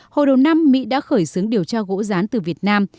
hồi đầu năm mỹ đã khởi xướng điều tra gỗ rán từ việt nam